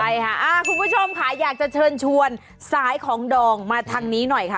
ใช่ค่ะคุณผู้ชมค่ะอยากจะเชิญชวนสายของดองมาทางนี้หน่อยค่ะ